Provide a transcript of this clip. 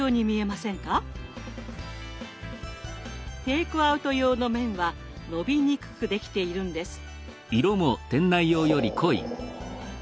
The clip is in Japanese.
テイクアウト用の麺は伸びにくくできているんです。